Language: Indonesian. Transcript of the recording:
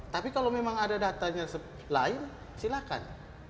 tapi kalau memang ada datanya lain silakan